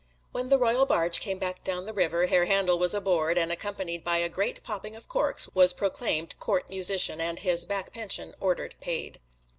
When the Royal Barge came back down the river, Herr Handel was aboard, and accompanied by a great popping of corks was proclaimed Court Musician, and his back pension ordered paid.